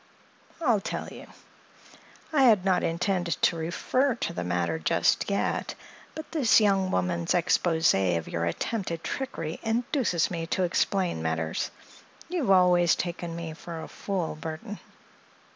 "I'll tell you. I had not intended to refer to the matter just yet, but this young woman's exposé of your attempted trickery induces me to explain matters. You have always taken me for a fool, Burthon."